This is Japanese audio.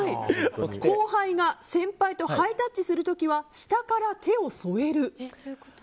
後輩が先輩とハイタッチする時は下から手を添える。